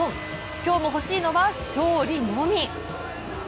今日も欲しいのは勝利のみ。